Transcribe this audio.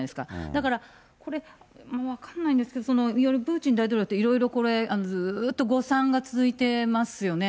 だから、もう分かんないんですけど、いわゆるプーチン大統領って、いろいろずーっと誤算が続いてますよね。